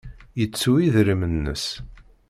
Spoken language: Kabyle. Yettu idrimen-nnes.